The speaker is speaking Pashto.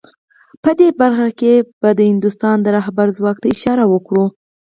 په دې برخه کې به د هندوستان د رهبر ځواک ته اشاره وکړو